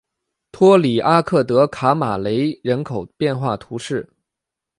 托里阿克德卡马雷人口变化图示